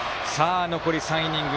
残り３イニング。